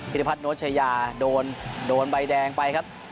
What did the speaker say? พิทธิพัทโนเชยาโดนใบแดงไปครับ